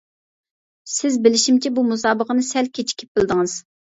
سىز بىلىشىمچە بۇ مۇسابىقىنى سەل كېچىكىپ بىلدىڭىز.